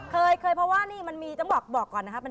เคยเพราะว่ามีเนี่ยมันมีอย่างว่ารอบก่อนนะครับ